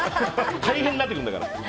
大変になってくるんだから。